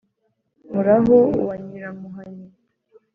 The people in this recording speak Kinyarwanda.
murahu wa nyiramuhanyi